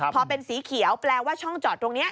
พอเป็นสีเขียวแปลว่าช่องจอดตรงนี้